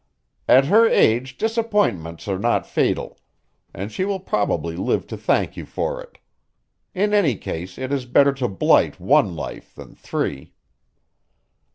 "At her age disappointments are not fatal, and she will probably live to thank you for it. In any case it is better to blight one life than three."